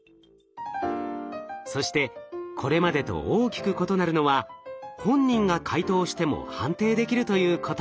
そしてこれまでと大きく異なるのは本人が回答しても判定できるということ。